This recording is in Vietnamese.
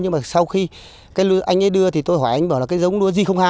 nhưng mà sau khi anh ấy đưa thì tôi hỏi anh ấy bảo là cái giống lúa g hai